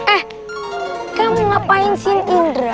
eh kamu ngapain scene indra